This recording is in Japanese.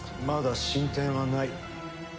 まだ進展はない。